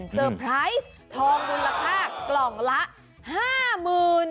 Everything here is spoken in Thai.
เซอร์ไพรส์ทองรุณราคากล่องละห้าหมื่น